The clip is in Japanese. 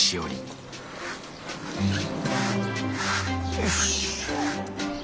よし。